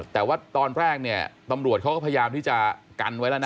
แต่ว่าตอนแรกเนี่ยตำรวจเขาก็พยายามที่จะกันไว้แล้วนะ